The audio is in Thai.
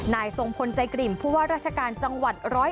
ทรงพลใจกริ่มผู้ว่าราชการจังหวัด๑๐๑